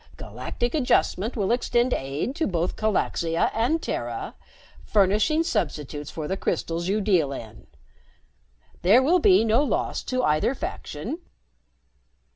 Galactic Adjustment will extend aid to both Calaxia and Terra, furnishing substitutes for the crystals you deal in. There will be no loss to either faction."